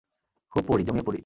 খুব পড়ি, জমিয়ে পড়ি।